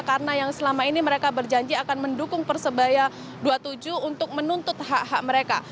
karena yang selama ini mereka berjanji akan mendukung persebaya dua puluh tujuh untuk menuntut hak hak mereka